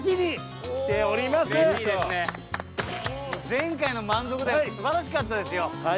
前回の満足度素晴らしかったですよ。